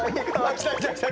来た来た来た！